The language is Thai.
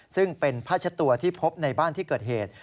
ซึ่งเป็นผ้าเช็ดตัวที่พบในบ้านที่เกิดเหตุ